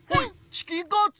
チキンカツ。